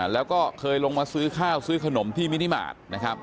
แล้วก็เคยลงมาซื้อข้าวซื้อขนมที่มินิมาตร